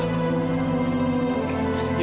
soal yang tadi